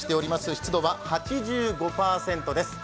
湿度は８５％です。